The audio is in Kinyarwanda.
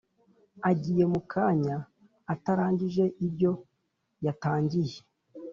Agiye mukanya atarangije ibyo yatangiye